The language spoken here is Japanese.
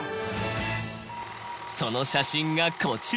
その写真がこちら。